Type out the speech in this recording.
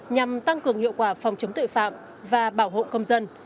nhằm tăng cường hiệu quả phòng chống tội phạm và bảo hộ công dân